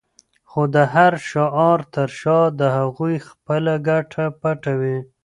خو د هر شعار تر شا د هغوی خپله ګټه پټه وي.